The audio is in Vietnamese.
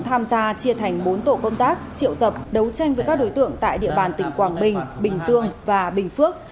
tham gia chia thành bốn tổ công tác triệu tập đấu tranh với các đối tượng tại địa bàn tỉnh quảng bình bình dương và bình phước